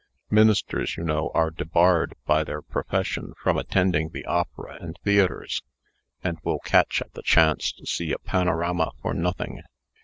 Ministers, you know, are debarred by their profession from attending the opera and theatres, and will catch at the chance to see a panorama for nothing.